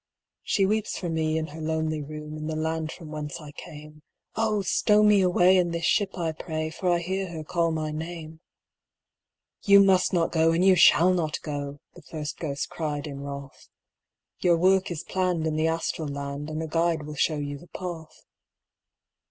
'She weeps for me in her lonely room, In the land from whence I came; Oh! stow me away in this ship, I pray, For I hear her call my name.' 'You must not go, and you shall not go,' The first ghost cried in wrath. 'Your work is planned, in the astral land, And a guide will show you the path.